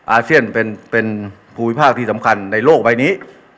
อาเซียนเป็นภูมิภาคที่สำคัญในโลกใบนี้